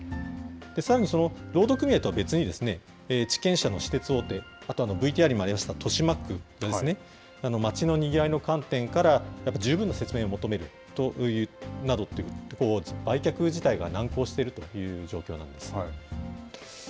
さらに、労働組合とは別に、地権者の私鉄大手、あとＶＴＲにもありました豊島区ですね、街のにぎわいの観点から、やっぱり十分な説明を求めるなどと、売却自体が難航しているという状況なんです。